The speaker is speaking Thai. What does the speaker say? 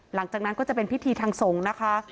หลังจากนั้นก็จะเป็นพิธีทางสงฆ์นะคะ